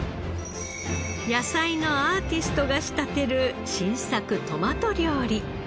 野菜のアーティストが仕立てる新作トマト料理。